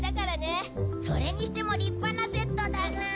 それにしても立派なセットだな。